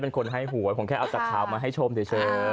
ผมแค่เอาจากข่าวมาให้ชมเฉย